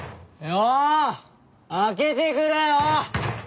よう開けてくれよ！